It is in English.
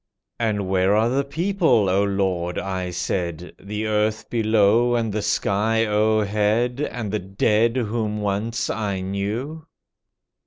"And where are the people, O Lord," I said, "The earth below, and the sky o'er head, And the dead whom once I knew?"